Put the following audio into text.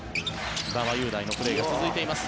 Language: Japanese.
馬場雄大のプレーが続いています。